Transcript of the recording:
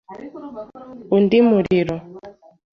Undi muriro. ”